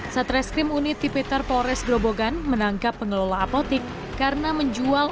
satreskrim unit tipiter polres grobogan menangkap pengelola apotik karena menjual